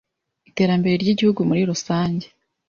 iterambere ry’igihugu muri rusange.